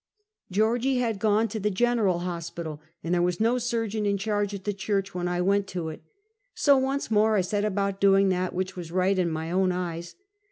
330 Georgie had gone to the General Hospital, and there was no surgeon in charge at the church when I went to it So, once more, I set about doing that which was right in my own eyes.